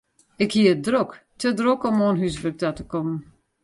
Ik hie it drok, te drok om oan húswurk ta te kommen.